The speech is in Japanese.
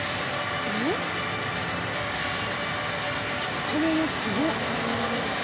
太ももすごっ。